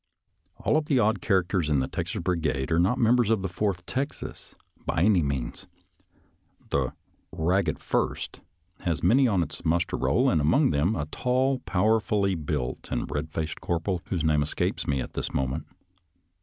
••«*• All the odd characters in the Texas Brigade are not members of the Fourth Texas, by any means. The " Eagged First " has many on its muster roll, and among them, a tall, powerfully built and red faced corporal whose name escapes me at this moment.